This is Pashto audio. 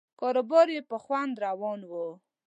کاروبار یې په خوند روان و.